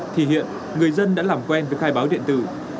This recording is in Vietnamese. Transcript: thì hiện người dân đã làm quen với khai báo điện tử